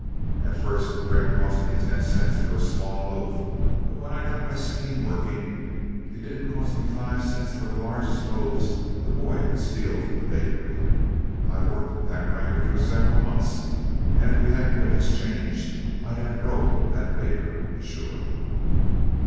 At first the bread cost me ten cents for a small loaf, but when I got my scheme working, it didn't cost me five cents for the largest loaves the boy could steal from the bakery. I worked that racket for several months, and if we hadn't been exchanged, I'd have broke that baker, sure.